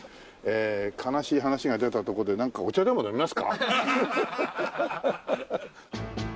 悲しい話が出たとこでなんかお茶でも飲みますか？